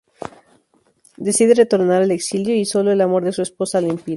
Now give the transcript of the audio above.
Decide retornar al exilio, y solo el amor de su esposa lo impide.